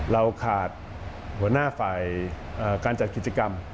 เราขาดหัวหน้าฝ่ายการจัดกิจกรรม